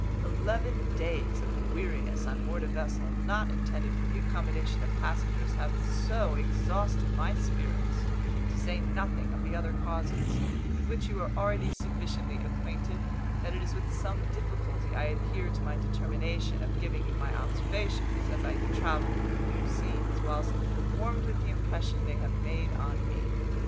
Eleven days of weariness on board a vessel not intended for the accommodation of passengers have so exhausted my spirits, to say nothing of the other causes, with which you are already sufficiently acquainted, that it is with some difficulty I adhere to my determination of giving you my observations, as I travel through new scenes, whilst warmed with the impression they have made on me.